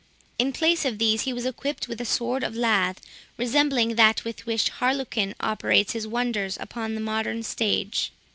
In place of these, he was equipped with a sword of lath, resembling that with which Harlequin operates his wonders upon the modern stage.